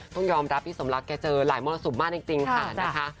ต้องยอมรับพี่สมรักแกเจอหลายมรสุมมากจริงค่ะนะคะ